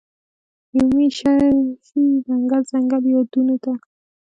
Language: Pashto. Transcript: یومي شي ځنګل، ځنګل یادونوته